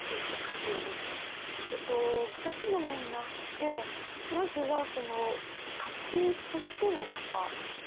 ２つの面があってまずはその歌集としての型。